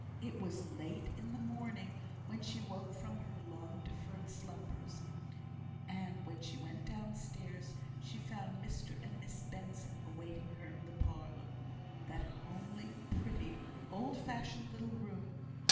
It was late in the morning when she woke from her long deferred slumbers; and when she went downstairs, she found Mr and Miss Benson awaiting her in the parlour. That homely, pretty, old fashioned little room!